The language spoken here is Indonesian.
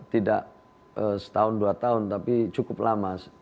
tidak setahun dua tahun tapi cukup lama